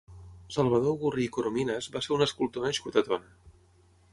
Salvador Gurri i Corominas va ser un escultor nascut a Tona.